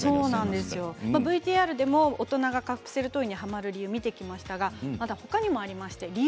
ＶＴＲでも大人がカプセルトイにはまる理由を見てきましたが他にもありまして、理由